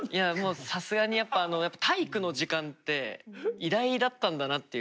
さすがにやっぱ体育の時間って偉大だったんだなっていう。